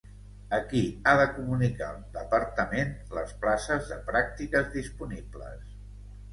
A qui ha de comunicar el Departament les places de pràctiques disponibles?